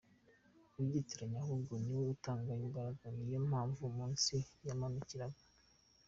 kubyitiranya ahubwo niwe utanga Imbaraga, niyo mpamvu umunsi yamanukiraga.